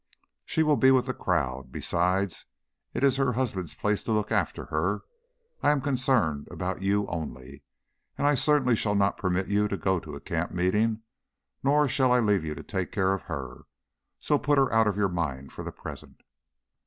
"She will be with the crowd. Besides, it is her husband's place to look after her. I am concerned about you only. And I certainly shall not permit you to go to a camp meeting, nor shall I leave you to take care of her. So put her out of your mind for the present."